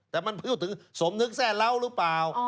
แต่มันพยวนถึงสมนึกแสดร้อนหรือเปล่า